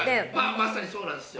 まさにそうなんですよ。